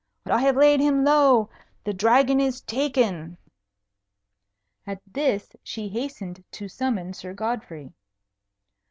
"I have laid him low. The Dragon is taken." At this she hastened to summon Sir Godfrey.